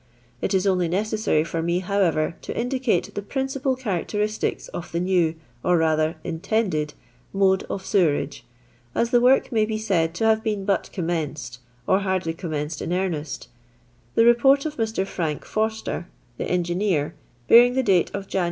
It is only necessary for me, howeyer, to indicate the prindpal characteristics of the new, or rather intended, mode of sewerage, as the work may be said to have been but commenced, or hardly commenced in earnest, the Beport of Mr. Frank Forster (the engineer) bearing the date of Jan.